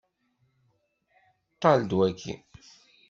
Ṭṭal-d waki.